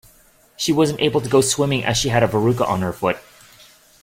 She wasn't able to go swimming as she had a verruca on her foot